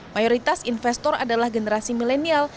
mayoritas investor adalah generasi milenial